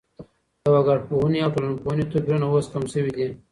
د وګړپوهني او ټولنپوهني توپيرونه اوس کم سوي دي.